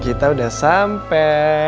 kita udah sampe